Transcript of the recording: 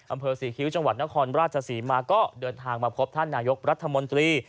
อำเภอศรีคิ้วจังหวัดนครราชศรีมาก็เดินทางมาพบท่านนายกรัฐมนตรี